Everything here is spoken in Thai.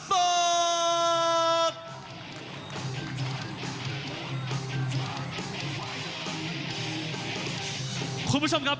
โอ้โหเดือดจริงครับ